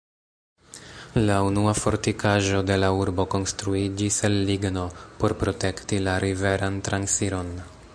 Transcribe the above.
La unua fortikaĵo de la urbo konstruiĝis el ligno, por protekti la riveran transiron.